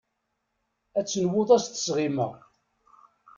Ad tenwuḍ ad as-d-sɣimeɣ.